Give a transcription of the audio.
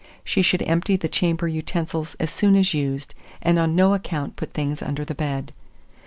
She should empty the chamber utensils as soon as used, and on no account put things under the bed.